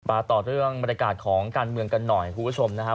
ต่อเรื่องบรรยากาศของการเมืองกันหน่อยคุณผู้ชมนะครับ